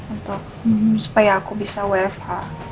untuk supaya aku bisa wfh